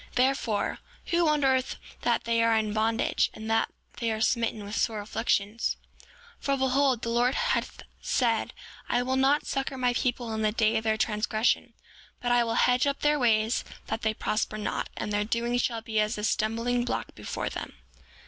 Therefore, who wondereth that they are in bondage, and that they are smitten with sore afflictions? 7:29 For behold, the Lord hath said: I will not succor my people in the day of their transgression; but I will hedge up their ways that they prosper not; and their doings shall be as a stumbling block before them.